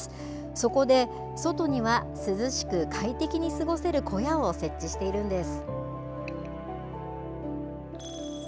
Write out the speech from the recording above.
そこで、外には涼しく快適に過ごせる小屋を設置しているんです。